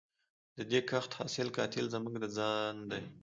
د دې کښت حاصل قاتل زموږ د ځان دی